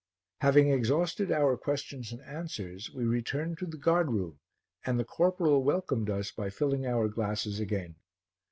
Having exhausted our questions and answers we returned to the guard room and the corporal welcomed us by filling our glasses again.